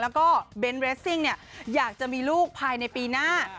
แล้วก็เบนท์เรสซิ่งอยากจะมีลูกภายในปีหน้า